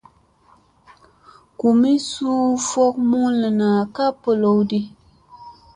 Gumii suu fok mullana ka bolowdi.